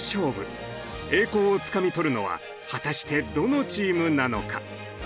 栄光をつかみ取るのは果たしてどのチームなのか！